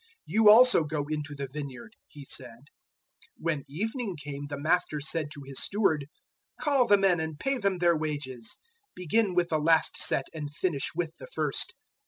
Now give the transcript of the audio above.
"`You also, go into the vineyard,' he said. 020:008 "When evening came, the master said to his steward, "`Call the men and pay them their wages. Begin with the last set and finish with the first.'